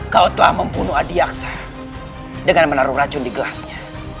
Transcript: kau telah membunuh adiaksa dengan menaruh racun di gelasnya